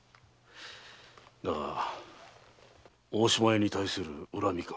だが大島屋に対する恨みか。